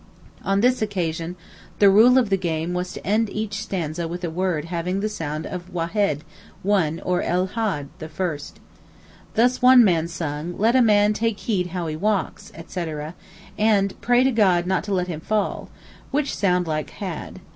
On this occasion the rule of the game was to end each stanza with a word having the sound of wahed (one), or el Had (the first). Thus one sung: 'Let a man take heed how he walks,' etc., etc.; and 'pray to God not to let him fall,' which sound like Had.